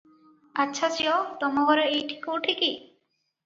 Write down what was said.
ଆଚ୍ଛା, ଝିଅ, ତମଘର ଏଇଠି କୁଠି କି?”